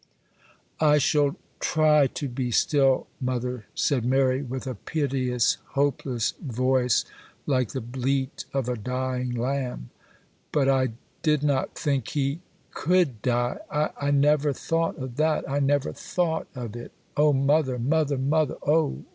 'I shall try to be still, mother,' said Mary, with a piteous, hopeless voice, like the bleat of a dying lamb; 'but I did not think he could die!—I never thought of that!—I never thought of it!—Oh! mother! mother! mother! oh!